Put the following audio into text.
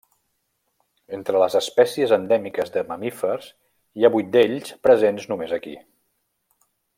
Entre les espècies endèmiques de mamífers hi ha vuit d’ells presents només aquí.